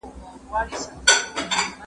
منډه د لوبغاړي له خوا وهل کيږي.